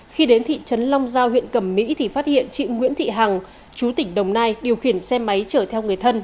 khi đến thị trấn long giao huyện cẩm mỹ thì phát hiện chị nguyễn thị hằng chú tỉnh đồng nai điều khiển xe máy chở theo người thân